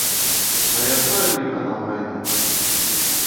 На якое ліха нам вайна?